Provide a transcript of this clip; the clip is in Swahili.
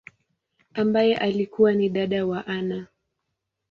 ambaye alikua ni dada wa Anna.